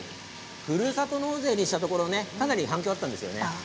ふるさと納税にしたところかなり反響があったんですよね。